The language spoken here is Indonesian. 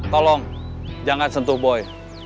tolong jangan sentuh boy